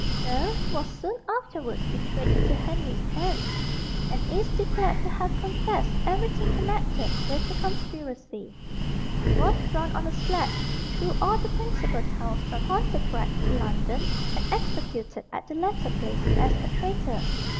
Serle was soon afterwards betrayed into Henry's hands, and is declared to have confessed everything connected with the conspiracy. He was drawn on a sledge through all the principal towns from Pontefract to London, and executed at the latter place as a traitor.